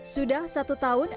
sudah satu tahun